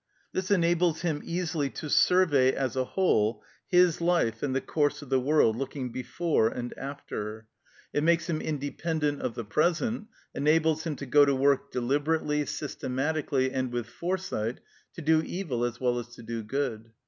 This enables him easily to survey as a whole his life and the course of the world, looking before and after; it makes him independent of the present, enables him to go to work deliberately, systematically, and with foresight, to do evil as well as to do good.